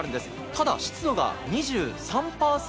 ただ、湿度が２３％。